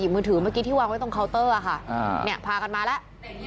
มือถือเมื่อกี้ที่วางไว้ตรงเคาน์เตอร์ค่ะพากันมาแล้ว